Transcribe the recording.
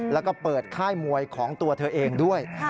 แล้วก็เปิดค่ายมวยของตัวเธอเองด้วย